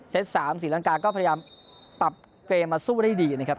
๓ศรีลังกาก็พยายามปรับเกมมาสู้ได้ดีนะครับ